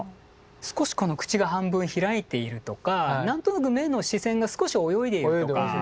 少しこの口が半分開いているとか何となく目の視線が少し泳いでいるとか。